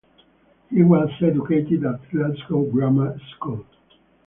He was educated at Glasgow Grammar School.